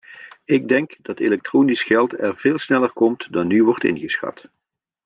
Ik denk dat elektronisch geld er veel sneller komt dan nu wordt ingeschat.